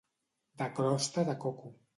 De crosta de coco.